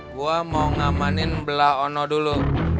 gue mau ngamanin belah ono dulu